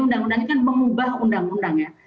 undang undang ini kan mengubah undang undang ya